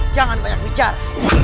jangan banyak bicara